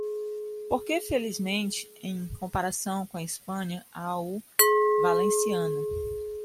Porque, felizmente, em comparação com a Espanha, há o valenciano.